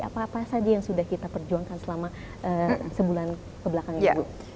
apa apa saja yang sudah kita perjuangkan selama sebulan kebelakang ini bu